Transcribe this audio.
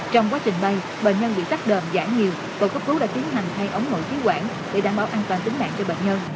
trong quá trình bay bệnh nhân bị tắt đờm giãn nhiều bộ quốc phòng đề cử tổ cấp cứu đã tiến hành thay ống nội tiến quản để đảm bảo an toàn tính mạng cho bệnh nhân